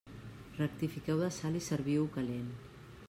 Rectifiqueu de sal i serviu-ho calent.